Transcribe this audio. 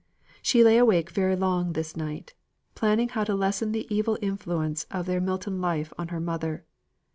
She lay awake very long this night, planning how to lessen the evil influence of their Milton life on her mother.